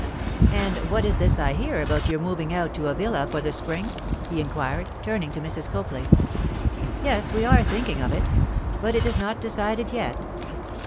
'And what is this I hear about your moving out to a villa for the spring?' he inquired, turning to Mrs. Copley. 'Yes, we are thinking of it, but it is not decided yet.